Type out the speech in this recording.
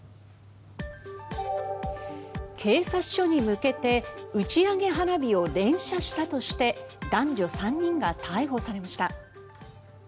警察署に向けて打ち上げ花火を連射したとして男女３人が逮捕されました。